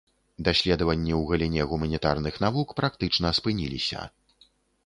Даследаванні ў галіне гуманітарных навук практычна спыніліся.